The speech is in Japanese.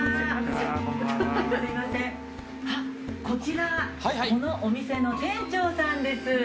こちらはこのお店の店長さんです。